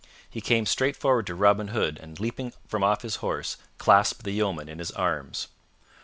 He came straight forward to Robin Hood and leaping from off his horse, clasped the yeoman in his arms.